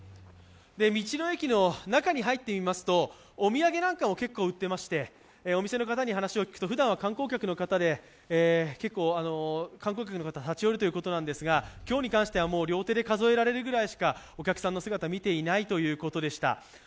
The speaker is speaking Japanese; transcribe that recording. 道の駅の中に入ってみますと、お土産なども結構売ってまして、お店の方に話を聞くと普段は観光客の方、結構立ち寄るということなんですが今日に関しては両手で数えられるぐらいしかお客さんの姿を見ていないということでした。